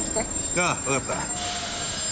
ああわかった。